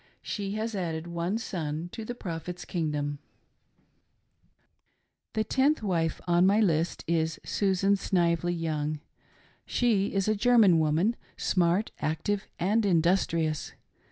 She has added one son to the Prophet's kingdom. SUSAN SNIVELY YOUNG. [Number Ten.] The tenth wife on my list is Susan Snively Young. She is a German woman — smart, active, and industrious.